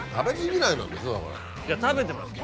いや食べてます。